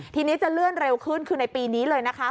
ทีนี้จะเลื่อนเร็วขึ้นคือในปีนี้เลยนะคะ